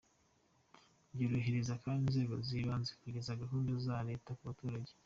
Byorohereza kandi inzego z’ibanze kugeza gahunda za Leta ku baturage”.